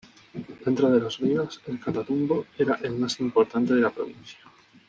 Dentro de los ríos, el Catatumbo era el más importante de la provincia.